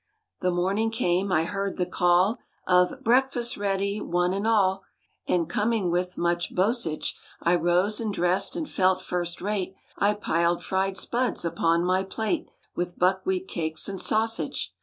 The morning came, I heard the call Of "Breakfast's ready, one and all!" And coming with much bossage, I rose and dressed and felt first rate. I piled fried spuds upon my plate. With buckwheat cakes and sausage.